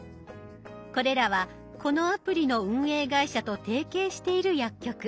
これらはこのアプリの運営会社と提携している薬局。